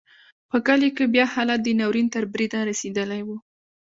په کلیو کې بیا حالت د ناورین تر بریده رسېدلی و.